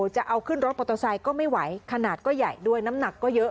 จะเอาขึ้นรถมอเตอร์ไซค์ก็ไม่ไหวขนาดก็ใหญ่ด้วยน้ำหนักก็เยอะ